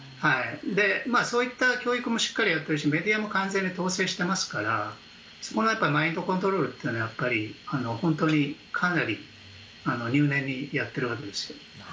そういった教育もしっかりやるしメディアも完全に統制してますからそこのマインドコントロールは本当にかなり入念にやっているわけですよ。